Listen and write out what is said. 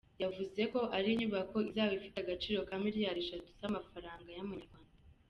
Yavuze ko ari inyubako izaba ifite agaciro ka Miliyari eshatu z'amafaranga y'amanyarwanda.